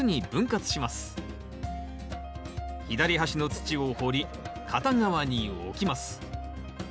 左端の土を掘り片側に置きます。